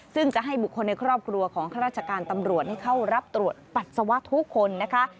ซึ่งจะให้บุคคลในครอบครัวของข้าราชการตำรวจเข้ารับตรวจปัสสาวะทุกคนนะคะ